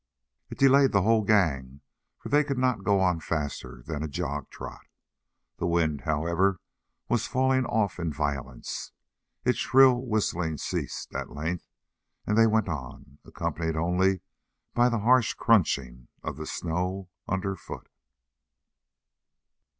It delayed the whole gang, for they could not go on faster than a jog trot. The wind, however, was falling off in violence. Its shrill whistling ceased, at length, and they went on, accompanied only by the harsh crunching of the snow underfoot.